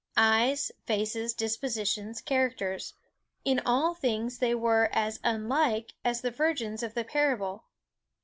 Eyes, faces, dispositions, characters, in all things they were as unlike as the virgins of the parable.